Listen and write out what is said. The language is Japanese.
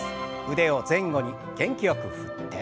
腕を前後に元気よく振って。